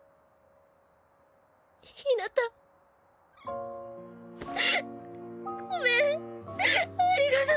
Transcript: ひなたうぅごめんありがとう。